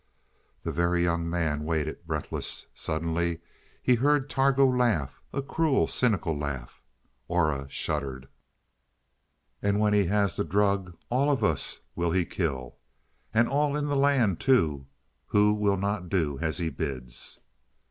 The Very Young Man waited, breathless. Suddenly he heard Targo laugh a cruel, cynical laugh. Aura shuddered. "And when he has the drug, all of us will he kill. And all in the land too who will not do as he bids."